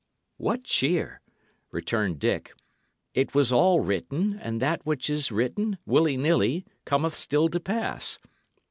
"What cheer!" returned Dick. "It was all written, and that which is written, willy nilly, cometh still to pass.